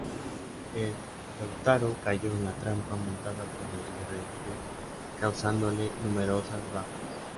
El "Lautaro" cayó en la trampa montada por los guerrilleros, causándole numerosas bajas.